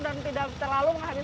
dan tidak terlalu menghabiskan tenaga